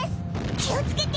気を付けて！